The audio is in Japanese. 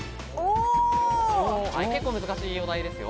結構、難しいお題ですよ。